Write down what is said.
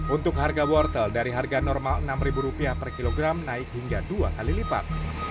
untuk harga wortel dari harga normal rp enam per kilogram naik hingga dua kali lipat